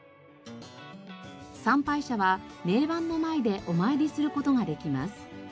参拝者は銘板の前でお参りする事ができます。